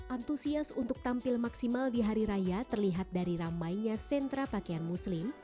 antusias untuk tampil maksimal di hari raya terlihat dari ramainya sentra pakaian muslim